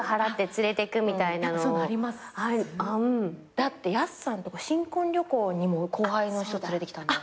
だって安さんのとこ新婚旅行にも後輩の人連れてきたんだよね？